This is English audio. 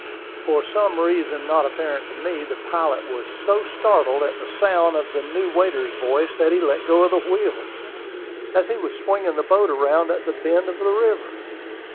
For some reason not apparent to me, the pilot was so startled at the sound of the new waiter's voice that he let go the wheel, as he was swinging the boat around at a bend of the river.